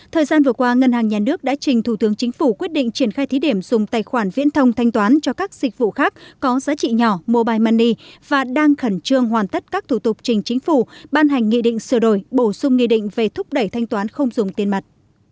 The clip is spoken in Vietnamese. thời gian vừa qua ngân hàng nhà nước đã trình thủ tướng chính phủ quyết định triển khai thí điểm dùng tài khoản viễn thông thanh toán cho các dịch vụ khác có giá trị nhỏ mobile money và đang khẩn trương hoàn tất các thủ tục trình chính phủ ban hành nghị định sửa đổi bổ sung nghị định về thúc đẩy thanh toán không dùng tiền mặt